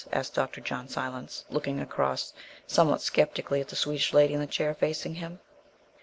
asked Dr. John Silence, looking across somewhat sceptically at the Swedish lady in the chair facing him.